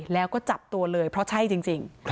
แล้วก็จับตัวเลยเพราะใช่จริง